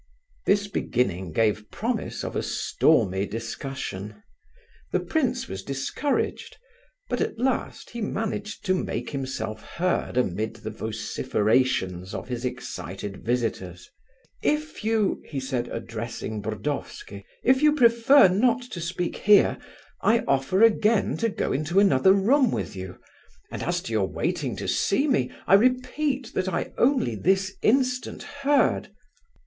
This beginning gave promise of a stormy discussion. The prince was much discouraged, but at last he managed to make himself heard amid the vociferations of his excited visitors. "If you," he said, addressing Burdovsky—"if you prefer not to speak here, I offer again to go into another room with you... and as to your waiting to see me, I repeat that I only this instant heard..."